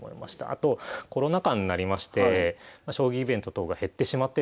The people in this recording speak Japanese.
あとコロナ禍になりまして将棋イベント等が減ってしまってですね